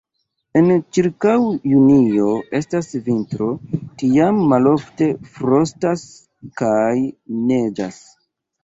En ĉirkaŭ junio estas vintro, tiam malofte frostas kaj neĝas.